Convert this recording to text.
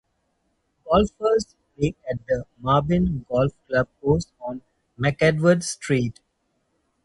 Golfers play at the Merbein Golf Club course on McEdward Street.